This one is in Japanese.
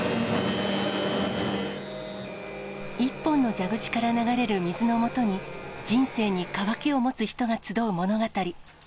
１本の蛇口から流れる水のもとに、人生に渇きを持つ人が集う物語。